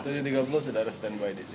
memutuskan untuk maju sebagai gubernur itu